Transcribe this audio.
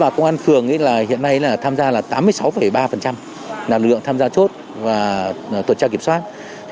công an phường hiện nay tham gia là tám mươi sáu ba là lực lượng tham gia chốt và tuần tra kiểm soát